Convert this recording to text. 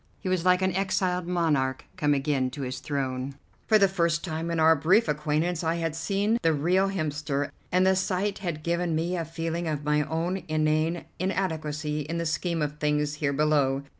He was like an exiled monarch come again to his throne; for the first time in our brief acquaintance I had seen the real Hemster, and the sight had given me a feeling of my own inane inadequacy in the scheme of things here below.